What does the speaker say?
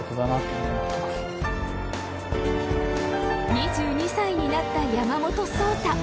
２２歳になった山本草太。